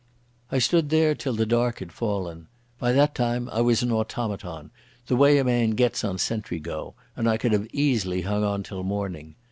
I stood there till the dark had fallen. By that time I was an automaton, the way a man gets on sentry go, and I could have easily hung on till morning.